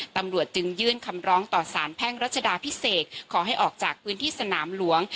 ตำรวจจึงยื่นคำร้องต่อสารแพ่งรัชดาพิเศษขอให้ออกจากพื้นที่สนามหลวง